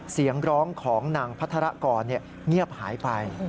เสียงร้องของนางพัทรกรเงียบหายไป